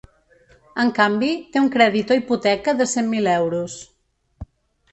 En canvi, té un crèdit o hipoteca de cent mil euros.